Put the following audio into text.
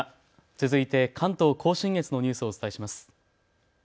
続いて関東甲信越のニュースをお伝えします。